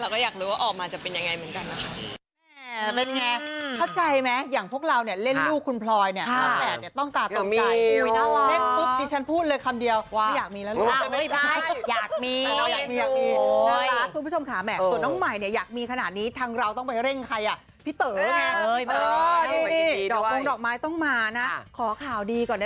แต่ก็อยากรู้ว่าออกมาจะเป็นยังไงเหมือนกันนะคะ